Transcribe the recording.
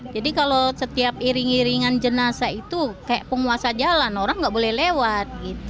jadi kalau setiap iring iringan jenazah itu kayak penguasa jalan orang tidak boleh lewat